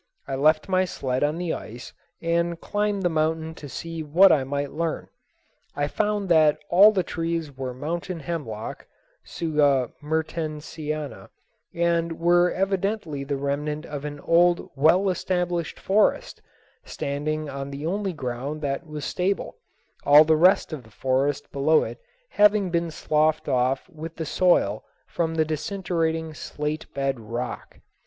I left my sled on the ice and climbed the mountain to see what I might learn. I found that all the trees were mountain hemlock (Tsuga mertensiana), and were evidently the remnant of an old well established forest, standing on the only ground that was stable, all the rest of the forest below it having been sloughed off with the soil from the disintegrating slate bed rock.